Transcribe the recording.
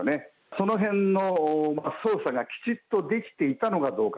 その辺の操作がきちっとできていたのかどうか。